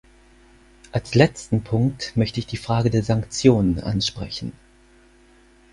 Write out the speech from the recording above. Als letzten Punkt möchte ich die Frage der Sanktionen ansprechen.